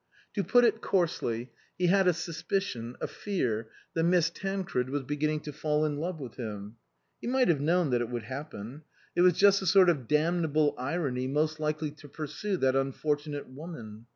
To put it coarsely, he had a suspicion, a fear, that Miss Tancred was beginning to fall in love with him. He might have known that it would happen. It was just 66 INLAND the sort of damnable irony most likely to pursue that unfortunate woman.